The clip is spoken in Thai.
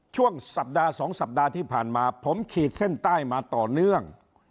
ช่วงสัปดาห์๒สัปดาห์ที่ผ่านมาผมขีดเส้นใต้มาต่อเนื่อง